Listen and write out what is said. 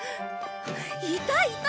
いたいた！